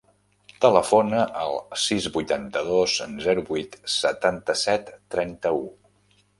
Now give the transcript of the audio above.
Telefona al sis, vuitanta-dos, zero, vuit, setanta-set, trenta-u.